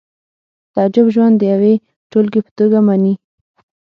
تعجب ژوند د یوې ټولګې په توګه مني